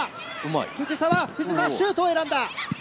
藤澤はシュートを選んだ。